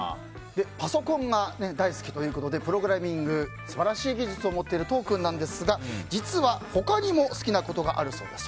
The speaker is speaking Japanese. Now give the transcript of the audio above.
パソコンが大好きということでプログラミングの素晴らしい技術を持っている都央君なんですが実は、他にも好きなことがあるそうです。